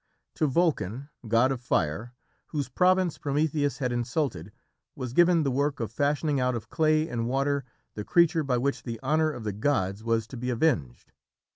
To Vulcan, god of fire, whose province Prometheus had insulted, was given the work of fashioning out of clay and water the creature by which the honour of the gods was to be avenged.